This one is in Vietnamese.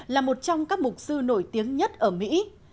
là một trong các mục sư nổi tiếng nhất ở mỹ